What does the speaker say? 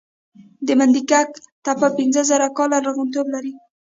د منډیګک تپه پنځه زره کاله لرغونتوب لري